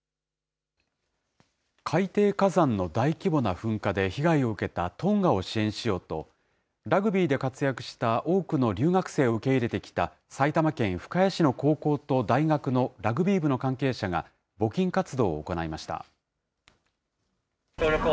海底火山の大規模な噴火で被害を受けたトンガを支援しようと、ラグビーで活躍した多くの留学生を受け入れてきた埼玉県深谷市の高校と大学のラグビー部の関係者が募金活動を行いました。